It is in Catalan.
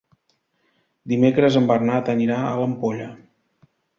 Dimecres en Bernat anirà a l'Ampolla.